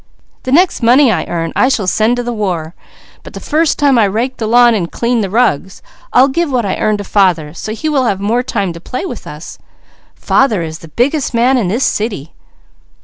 "The next money I earn, I shall send to the war; but the first time I rake the lawn, and clean the rugs, I'll give what I earn to father, so he will have more time to play with us. Father is the biggest man in this city!"